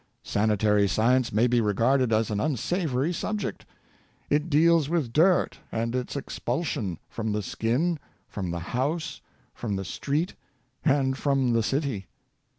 Sanitary science may be regarded as an unsavory subject. It deals with dirt and its expulsion — from the skin, from the house, from the street, from the city.